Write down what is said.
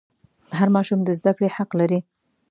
هر ماشوم د زده کړې حق لري.